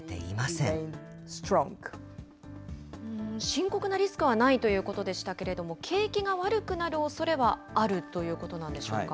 深刻なリスクはないということでしたけれども、景気が悪くなるおそれはあるということなんでしょうか。